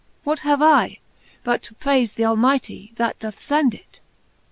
What have I, but to praife th' Almighty, that doth fend it